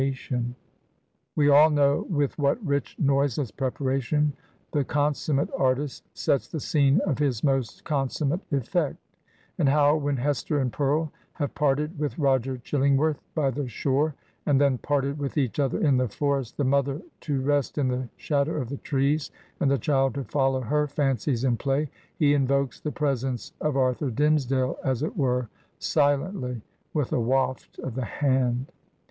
i68 Digitized by VjOOQIC HAWTHORNE'S HESTER PRYNNE We all know with what rich but noiseless preparation the consummate artist sets the scene of his most con summate effect; and how, when Hester and Pearl have parted with Roger Chillingworth by the shore, and then parted with each other in the forest, the mother to rest in the shadow of the trees, and the child to follow her fancies in play, he invokes the presence of Arthur Dimmesdale, as it were, silently, with a waft of the hand.